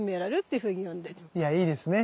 いやいいですね。